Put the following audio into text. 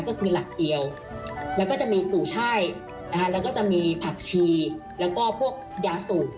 ก็คือหลักเกียวแล้วก็จะมีปู่ชัยนะคะแล้วก็จะมีผักชีแล้วก็พวกยาสูบ